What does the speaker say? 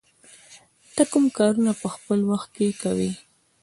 ته کوم کارونه په خپل وخت کې کوې؟